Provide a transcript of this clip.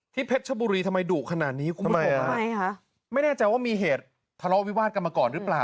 เพชรชบุรีทำไมดุขนาดนี้คุณผู้ชมไม่แน่ใจว่ามีเหตุทะเลาะวิวาสกันมาก่อนหรือเปล่า